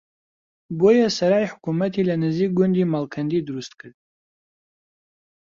بۆیە سەرای حکومەتی لە نزیک گوندی مەڵکەندی دروستکرد